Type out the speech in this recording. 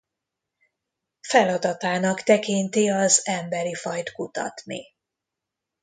Feladatának tekinti az emberi fajt kutatni.